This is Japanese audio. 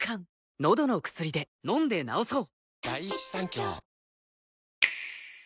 のどの薬で飲んで治そう。